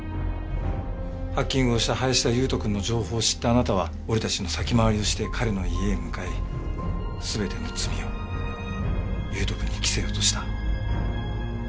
ハッキングをした林田悠斗くんの情報を知ったあなたは俺たちの先回りをして彼の家へ向かい全ての罪を悠斗くんに着せようとした。